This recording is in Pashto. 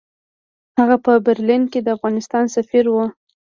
هغه په برلین کې د افغانستان سفیر وو.